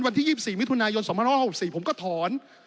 วันที่๒๔มิถุนายน๒๖๔ผมก็ถอน